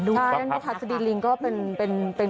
ใช่นกฮาสดีลิงก็เป็น